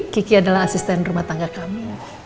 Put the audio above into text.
kiki adalah asisten rumah tangga kami